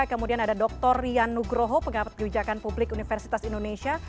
kemudian ada dr rian nugroho pengamat kebijakan publik universitas indonesia